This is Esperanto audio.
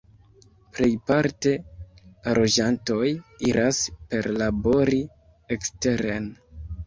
Plejparte la loĝantoj iras perlabori eksteren.